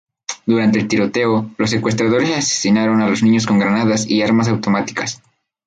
Durante el tiroteo, los secuestradores asesinaron a los niños con granadas y armas automáticas.